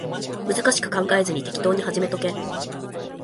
難しく考えずに適当に始めとけ